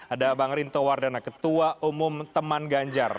ada bang rinto wardana ketua umum teman ganjar